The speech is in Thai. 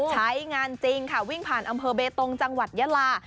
ใช้งานจริงค่ะวิ่งผ่านอำเภอเบตงจังหวัดยาลา